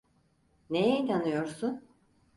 Neye inanıyorsun?